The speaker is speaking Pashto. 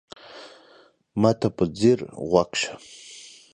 ما ته په ځیر غوږ شه !